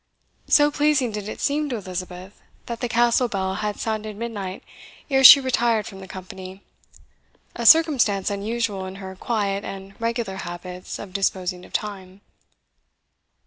So pleasing did it seem to Elizabeth, that the Castle bell had sounded midnight ere she retired from the company, a circumstance unusual in her quiet and regular habits of disposing of time.